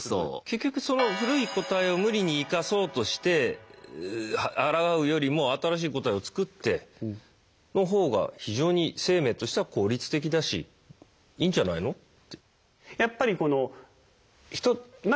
結局その古い個体を無理に生かそうとしてあらがうよりも新しい個体をつくっての方が非常に生命としては効率的だしいいんじゃないのって。